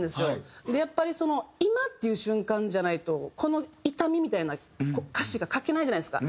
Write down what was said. でやっぱり今っていう瞬間じゃないとこの痛みみたいな歌詞が書けないじゃないですか。